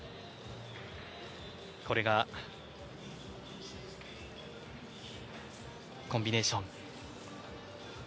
これがコンビネーション。